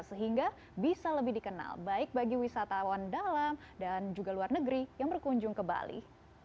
sehingga bisa lebih dikenal baik bagi wisatawan dalam dan juga luar negeri yang berkunjung ke bali